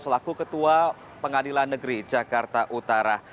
selaku ketua pengadilan negeri jakarta utara